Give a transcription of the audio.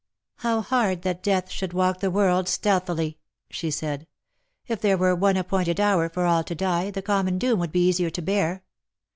" How hard that death should walk the world stealthily !" she said. " If there were one appointed hour for all to die, the common doom would be easier to bear.